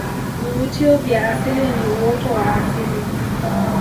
vivutio vya asili ni uoto wa asili